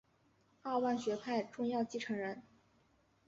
二万学派重要传承人。